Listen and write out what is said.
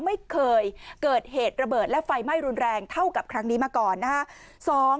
ไม่เคยเกิดเหตุระเบิดและไฟไหม้รุนแรงเท่ากับครั้งนี้มาก่อนนะฮะ